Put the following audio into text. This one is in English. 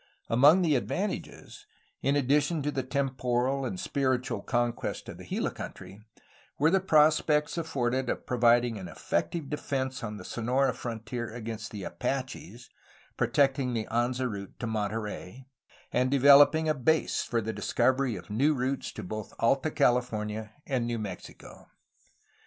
Among the advantages, in addition to the temporal and spiritual conquest of the Gila country, were the prospects afforded of providing an effective defence on the Sonora frontier against the Apaches, protecting the Anza route to Monterey, and developing a base for the discovery of new routes to both Alta California and New Mexico.